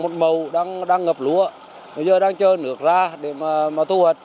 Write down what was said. một mầu đang ngập lúa bây giờ đang chờ nước ra để thu hoạch